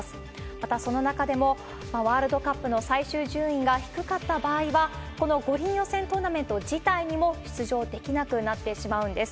またその中でもワールドカップの最終順位が低かった場合は、この五輪予選トーナメント自体にも出場できなくなってしまうんです。